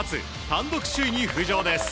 単独首位に浮上です。